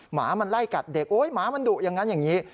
หมามันไล่กัดเด็กโอ๊ยหมามันดุอย่างนั้นอย่างนี้